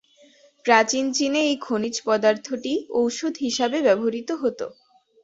প্রাচীন চীনে এই খনিজ পদার্থটি ঔষধ হিসাবে ব্যবহৃত হতো।